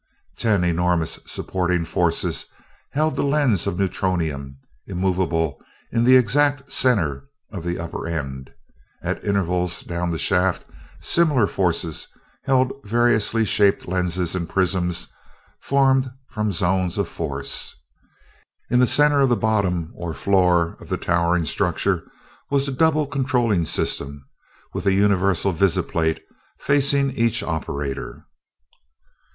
Ten enormous supporting forces held the lens of neutronium immovable in the exact center of the upper end; at intervals down the shaft similar forces held variously shaped lenses and prisms formed from zones of force; in the center of the bottom or floor of the towering structure was the double controlling system, with a universal visiplate facing each operator.